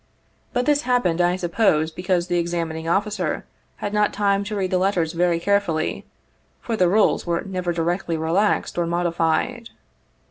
But this happened, I suppose, because the examining officer had not time to read the letters very carefully, for the rules were never directly relaxed or modified.